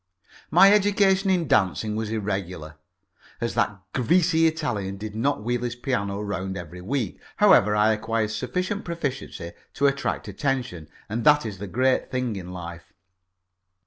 My education in dancing was irregular, as that greasy Italian did not wheel his piano round every week. However I acquired sufficient proficiency to attract attention, and that is the great thing in life.